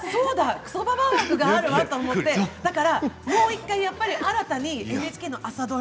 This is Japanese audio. くそばばあ枠があると思って、もう１回新たにＮＨＫの朝ドラ